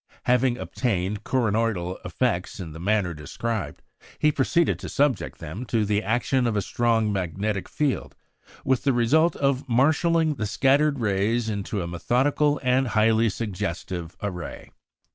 Having obtained coronoidal effects in the manner described, he proceeded to subject them to the action of a strong magnetic field, with the result of marshalling the scattered rays into a methodical and highly suggestive array.